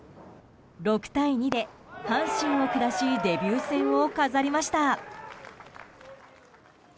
６対２で阪神を下しデビュー戦を飾りました。